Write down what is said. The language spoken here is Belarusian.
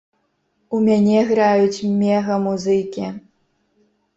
У мяне граюць мега-музыкі.